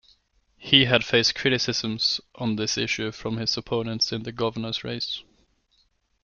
He had faced criticism on this issue from his opponents in the Governor's race.